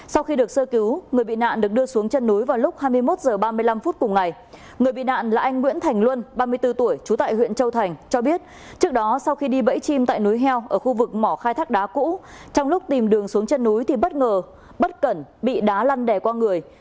sau khi được sơ cứu người bị nạn được đưa xuống chân núi vào lúc hai mươi một h ba mươi năm phút cùng ngày người bị nạn là anh nguyễn thành luân ba mươi bốn tuổi trú tại huyện châu thành cho biết trước đó sau khi đi bẫy chim tại núi heo ở khu vực mỏ khai thác đá cũ trong lúc tìm đường xuống chân núi thì bất ngờ bất cẩn bị đá lăn đè qua người